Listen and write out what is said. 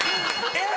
えっ！